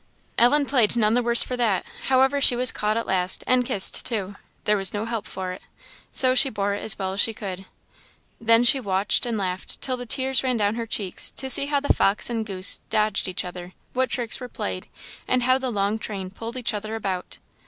Ellen played none the worse for that; however she was caught at last, and kissed, too; there was no help for it, so she bore it as well as she could. Then she watched and laughed till the tears ran down her cheeks, to see how the fox and the goose dodged each other, what tricks were played, and how the long train pulled each other about.